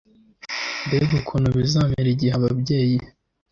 Mbega ukuntu bizamera igihe ababyeyi